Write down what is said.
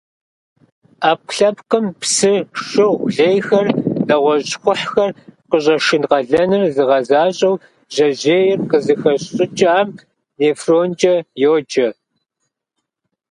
Ӏэпкълъэпкъым псы, шыгъу лейхэр, нэгъуэщӀ щхъухьхэр къыщӀэшын къалэныр зыгъэзащӀэу жьэжьейр къызыхэщӀыкӀам нефронкӀэ йоджэр.